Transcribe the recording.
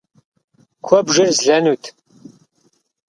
Куэбжэр злэнут.